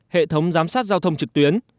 hệ thống giám sát giao thông trực tuyến